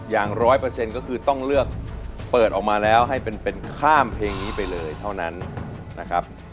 อย่าง๑๐๐ก็คือต้องเลือกเปิดออกมาแล้วให้เป็นข้ามเพลงนี้ไปเลยเท่านั้นนะครับ